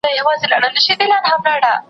زه له سهاره د سبا لپاره د يادښتونه بشپړوم!؟